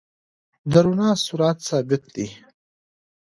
د رڼا سرعت ثابت دی.